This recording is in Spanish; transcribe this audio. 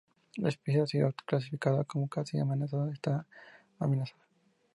La especie ha sido clasificada como casi amenazada está amenazada.